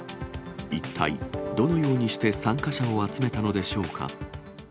一体、どのようにして参加者を集めたのでしょうか。